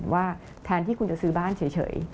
ว่าแทนที่คุณจะซื้อบ้านเฉย